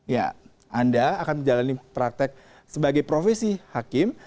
ya anda akan menjalani praktek sebagai profesi hakim